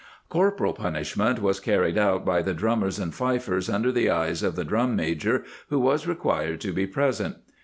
^ Corporal punishment was carried out by the drummers and fifers under the eyes, of the drum major, who was required to be present.'"'